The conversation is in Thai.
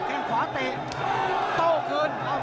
แค่งขวาเตะโต้คืน